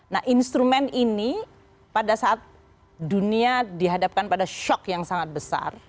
nah instrumen ini pada saat dunia dihadapkan pada shock yang sangat besar